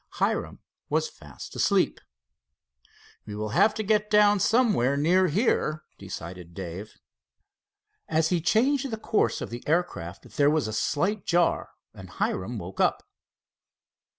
Hiram was fast asleep. "We will have to get down somewhere near here," decided Dave. As he changed the course of the aircraft there was a slight jar, and Hiram woke up.